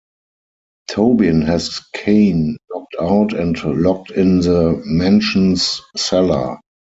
Tobin has Kane knocked out and locked in the mansion's cellar.